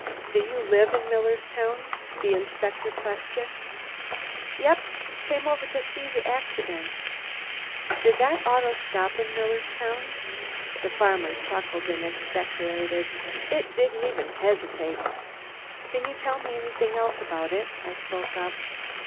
"Do you live in Millerstown?" the inspector questioned. "Yep! Come over t' see the accident." "Did that auto stop in Millerstown?" The farmer chuckled and expectorated. "It didn't even hesitate." "Can you tell us anything else about it?" I spoke up.